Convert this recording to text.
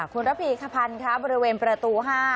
คุณระภีขภัณฑ์ครับบริเวณประตู๕